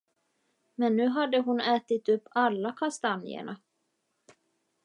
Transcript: Men nu hade hon ätit upp alla kastanjerna.